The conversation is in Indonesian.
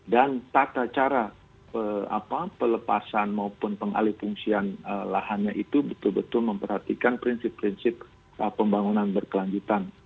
dan tata cara pelepasan maupun pengalih fungsian lahannya itu betul betul memperhatikan prinsip prinsip pembangunan berkelanjutan